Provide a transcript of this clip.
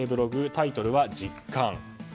タイトルは「実感！」。